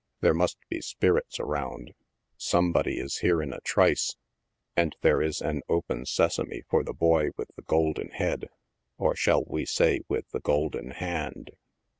There must be spirits around. Somebody is here in a trice, and there is an open sesame for the boy with the golden head — or shall we say with the golden hand?